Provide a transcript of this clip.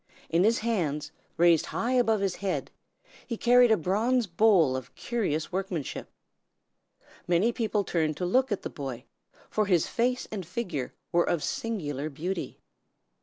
In his hands, raised high above his head, he carried a bronze bowl of curious workmanship. Many people turned to look at the boy, for his face and figure were of singular beauty.